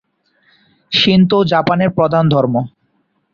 Shinto জাপানের প্রধান ধর্ম।